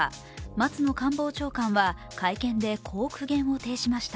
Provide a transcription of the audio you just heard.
松野官房長官は会見でこう苦言を呈しました。